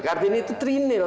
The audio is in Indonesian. kart ini itu trinil